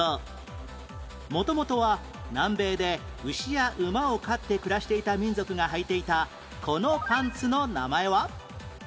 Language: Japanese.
元々は南米で牛や馬を飼って暮らしていた民族がはいていたこのパンツの名前は？